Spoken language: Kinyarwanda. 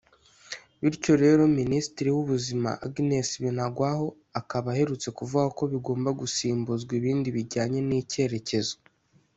bityo rero Minisitiri w’Ubuzima Agnes Binagwaho akaba aherutse kuvuga ko bigomba gusimbuzwa ibindi bijyanye n’icyerekezo